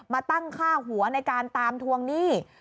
มาตั้งค่าหัวในการตามทวงหนี้